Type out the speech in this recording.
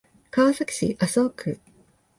川崎市麻生区